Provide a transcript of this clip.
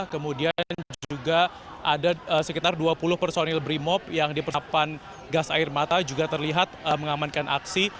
kemudian juga ada sekitar dua puluh personil brimob yang diperhadapan gas air mata juga terlihat mengamankan aksi